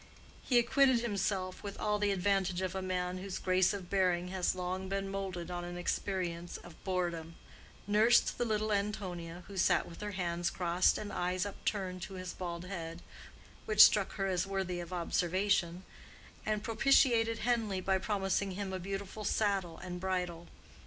He acquitted himself with all the advantage of a man whose grace of bearing has long been moulded on an experience of boredom—nursed the little Antonia, who sat with her hands crossed and eyes upturned to his bald head, which struck her as worthy of observation—and propitiated Henleigh by promising him a beautiful saddle and bridle.